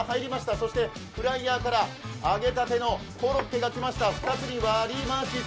そしてフライヤーから揚げたてのコロッケが来ました２つに割りました。